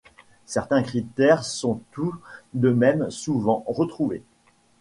Certains critères sont tout de même souvent retrouvés.